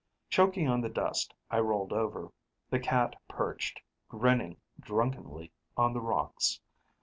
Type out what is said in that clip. Choking on the dust, I rolled over. The cat perched, grinning drunkenly, on the rocks.